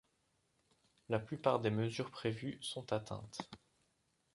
La plupart des mesures prévues sont atteintes.